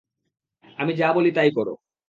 আমি যা বলি তাই করো!